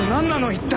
一体！